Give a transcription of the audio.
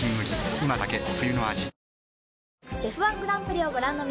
今だけ冬の味